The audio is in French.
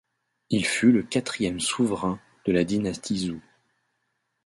Il fut le quatrième souverain de la dynastie Zhou.